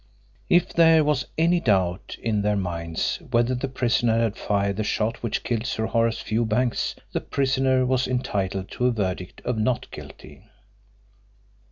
If there was any doubt in their minds whether the prisoner had fired the shot which killed Sir Horace Fewbanks the prisoner was entitled to a verdict of "not guilty."